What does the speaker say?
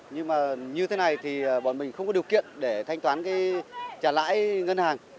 nhưng mà như thế này thì bọn mình không có điều kiện để thanh toán cái trả lãi ngân hàng